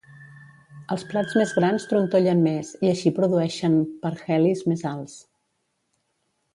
Els plats més grans trontollen més, i així produeixen parhelis més alts.